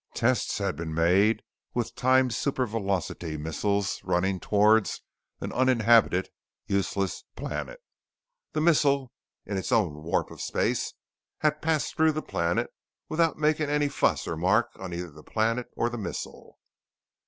Tests had been made with timed supervelocity missiles running toward an uninhabited, useless planet. The missile in its own warp of space had passed through the planet without making any fuss or mark on either the planet or the missile.